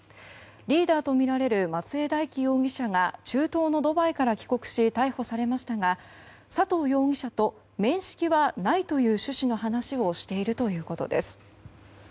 リーダーとみられる松江大樹容疑者が中東のドバイから帰国し逮捕されましたが佐藤容疑者と面識はないという趣旨の話をしているということです。